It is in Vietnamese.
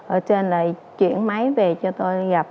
ở trên lại chuyển máy về cho tôi gặp